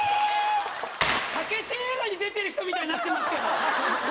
武映画に出てる人みたいになってますけど。